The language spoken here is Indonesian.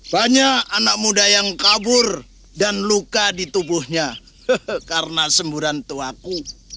banyak anak muda yang kabur dan luka di tubuhnya karena semburan tuaku